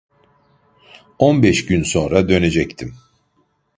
On beş gün sonra dönecektim.